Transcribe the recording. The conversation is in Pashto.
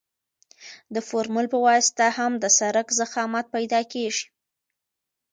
د فورمول په واسطه هم د سرک ضخامت پیدا کیږي